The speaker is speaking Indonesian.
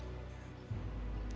lu bisa pake buat apa aja